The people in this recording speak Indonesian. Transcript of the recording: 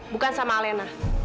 bukan sama alena